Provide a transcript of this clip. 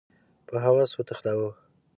په هوس وتخناوه